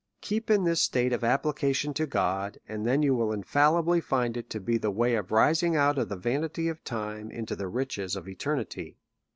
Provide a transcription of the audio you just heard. Keep in this state of applica tion to God, and then you will infallibly find it to be the way of rising out of the vanity of time into the riches of eternity.